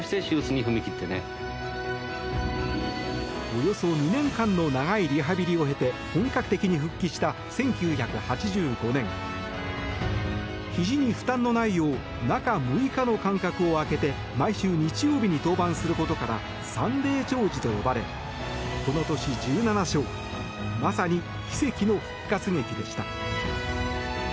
およそ２年間の長いリハビリを経て本格的に復帰した１９８５年ひじに負担のないよう中６日の間隔を空けて毎週日曜日に登板することからサンデー兆治と呼ばれこの年、１７勝まさに奇跡の復活劇でした。